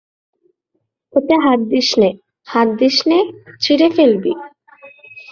ওতে হাত দিস নে, হাত দিস নে, ছিঁড়ে ফেলবি।